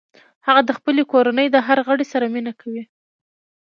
هغه د خپلې کورنۍ د هر غړي سره مینه کوي